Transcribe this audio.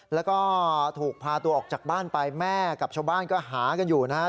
แล้วก็ถูกพาตัวออกจากบ้านไปแม่กับชาวบ้านก็หากันอยู่นะฮะ